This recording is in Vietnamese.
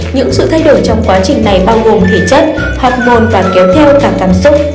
những sự thay đổi trong quá trình này bao gồm thể chất học ngôn và kéo theo cả cảm xúc